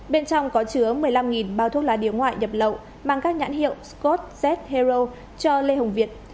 bên trong có chứa một mươi năm bao thuốc lá điếu ngoại nhập lậu mang các nhãn hiệu scot z hero cho lê hồng việt